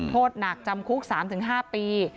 โทษหนักจำคุก๓๕ปี